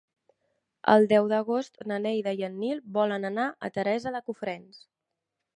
El deu d'agost na Neida i en Nil volen anar a Teresa de Cofrents.